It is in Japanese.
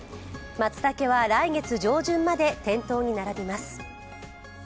まつたけは来月上旬まで店頭に並びます。